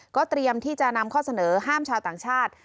เตรียมที่จะนำข้อเสนอห้ามชาวต่างชาติ